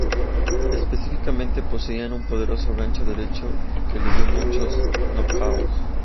Específicamente, poseía un poderoso gancho derecho, que le dio muchos knockouts.